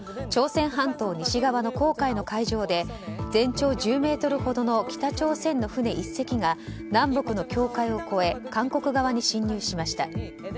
朝鮮半島西側の公海の海上で全長１０ｍほどの北朝鮮の船１隻が南北の境界を越え韓国側に侵入しました。